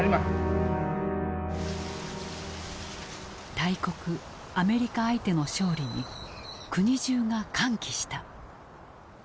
大国アメリカ相手の勝利に国中が歓喜した。